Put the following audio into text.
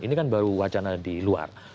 ini kan baru wacana di luar